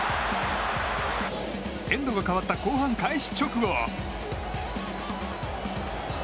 エンドが変わった後半開始直後。